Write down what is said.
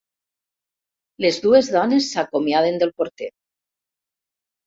Les dues dones s'acomiaden del porter.